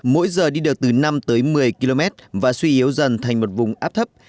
mỗi giờ đi được từ năm tới một mươi km và suy yếu dần thành một vùng áp thấp